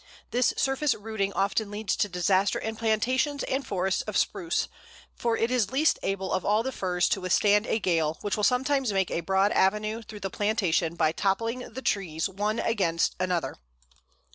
This surface rooting often leads to disaster in plantations and forests of Spruce, for it is least able of all the firs to withstand a gale, which will sometimes make a broad avenue through the plantation by toppling the trees one against another.